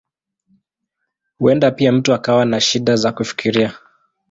Huenda pia mtu akawa na shida za kufikiria.